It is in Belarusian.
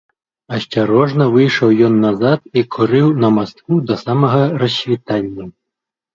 Асцярожна выйшаў ён назад і курыў на мастку да самага рассвітання.